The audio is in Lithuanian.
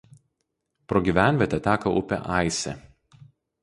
Pro gyvenvietę teka upė Aisė.